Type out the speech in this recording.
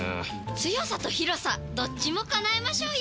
強さと広さどっちも叶えましょうよ！